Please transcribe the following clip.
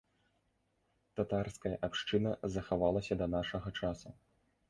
Татарская абшчына захавалася да нашага часу.